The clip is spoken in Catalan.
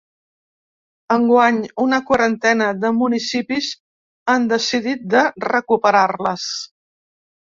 Enguany, una quarantena de municipis han decidit de recuperar-les.